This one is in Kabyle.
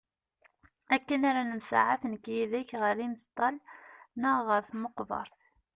Akken ara nemsaɛaf nekk yid-k ɣer isemṭal neɣ ɣer tmeqbert.